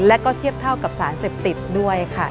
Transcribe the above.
และก็เทียบเท่ากับสารเสพติดด้วยค่ะ